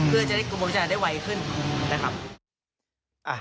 เพื่อให้กรุงพิจารณาได้ไว้ขึ้นนะครับ